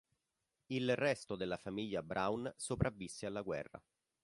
Il resto della famiglia Braun sopravvisse alla guerra.